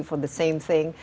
mereka menguji anda